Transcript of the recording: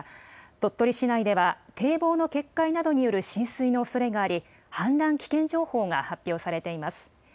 鳥取市内では堤防の決壊などによる浸水のおそれがあり、氾濫危険情報が発表されています。